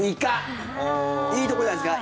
いいところじゃないですか？